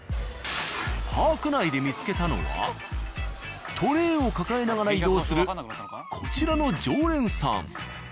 パーク内で見つけたのはトレーを抱えながら移動するこちらの常連さん。